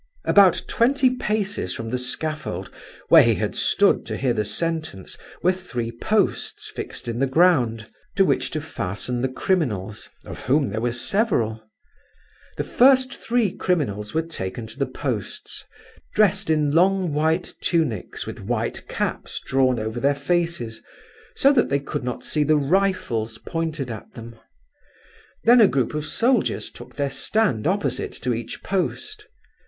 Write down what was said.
"About twenty paces from the scaffold, where he had stood to hear the sentence, were three posts, fixed in the ground, to which to fasten the criminals (of whom there were several). The first three criminals were taken to the posts, dressed in long white tunics, with white caps drawn over their faces, so that they could not see the rifles pointed at them. Then a group of soldiers took their stand opposite to each post.